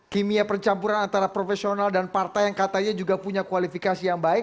kimia percampuran antara profesional dan partai yang katanya juga punya kualifikasi yang baik